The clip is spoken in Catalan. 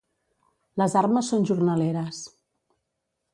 Les armes són jornaleres.